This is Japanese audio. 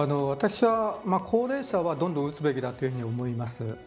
私は高齢者はどんどん打つべきだと思います。